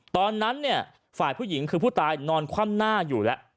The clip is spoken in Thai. ตอนนั้นเนี่ยฝ่ายผู้หญิงคือผู้ตายนอนคว่ำหน้าอยู่แล้ว